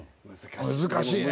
難しいね。